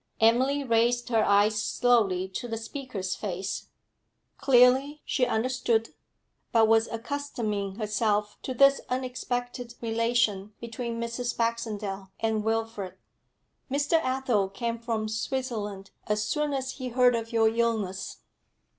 Emily raised her eyes slowly to the speaker's face; clearly she understood, but was accustoming herself to this unexpected relation between Mrs. Baxendale and Wilfrid. 'Mr. Athel came from Switzerland as soon as he heard of your illness.'